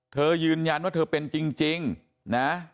เธอยืนยันว่าเธอเป็นจริงนะ